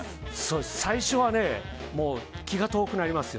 最初はね、気が遠くなりますよ。